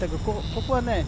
ここはね